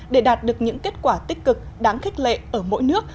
để đạt được những kết quả tích cực đáng khích lệ ở mỗi nước